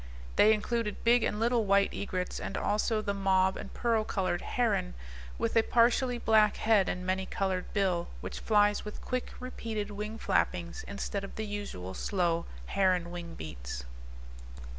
They included big and little white egrets and also the mauve and pearl colored heron, with a partially black head and many colored bill, which flies with quick, repeated wing flappings, instead of the usual slow heron wing beats.